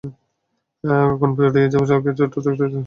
আগুন ছড়িয়ে যাওয়ার আগে ছোট থাকতেই তাঁরা নিয়ন্ত্রণ করার চেষ্টা করেন।